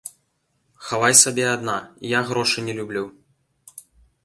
Хавай сабе адна, я грошы не люблю.